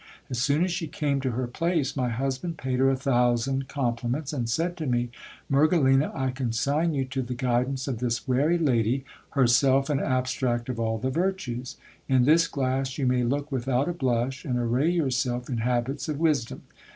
As soon as she came to her place, my husband paid her a thousand compliments, and said to me : Merge lina, I consign you to the guidance of this wary lady, herself an abstract of all the virtues : in this glass you may look without a blush, and array yourself in habits of wisdom.